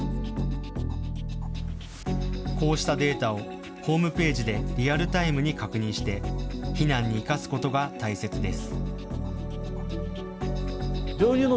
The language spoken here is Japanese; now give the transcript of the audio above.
こうしたデータをホームページでリアルタイムに確認して避難に生かすことが大切です。